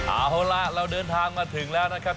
เอาล่ะเราเดินทางมาถึงแล้วนะครับ